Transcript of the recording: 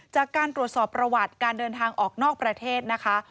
จากการตรวจสอบประวัติการเดินทางออกนอกประเทศนะคะ